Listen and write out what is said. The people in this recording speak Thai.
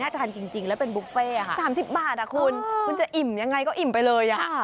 ถ้าทานจริงแล้วเป็นบุฟเฟ่ค่ะ๓๐บาทคุณคุณจะอิ่มยังไงก็อิ่มไปเลยอ่ะ